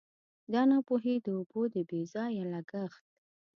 دا ناپوهي د اوبو د بې ځایه لګښت.